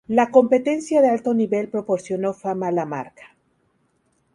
La competencia de alto nivel proporcionó fama a la marca.